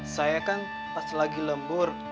saya kan pas lagi lembur